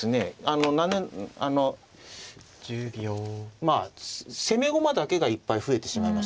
あのまあ攻め駒だけがいっぱい増えてしまいましたね。